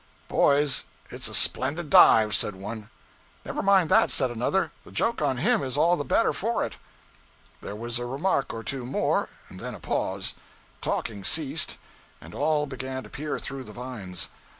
'Boys, it 's a splendid dive,' said one. 'Never mind that,' said another, 'the joke on him is all the better for it.' There was a remark or two more, and then a pause. Talking ceased, and all began to peer through the vines.